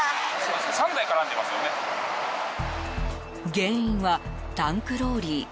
原因はタンクローリー。